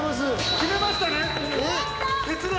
決めましたね決断。